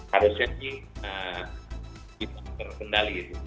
harusnya sih bisa terkendali gitu